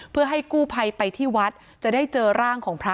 เพื่อให้กู้ภัยไปที่วัดจะได้เจอร่างของพระ